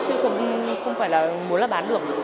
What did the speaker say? chứ không phải là muốn là bán được